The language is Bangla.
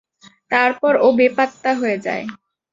তারপর ও বেপাত্তা হয়ে যায়।